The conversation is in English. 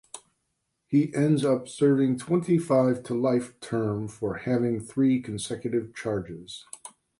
He ends up serving twenty-five to life term for having three consecutive charges.